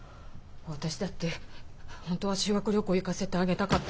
私だって本当は修学旅行行かせてあげたかった。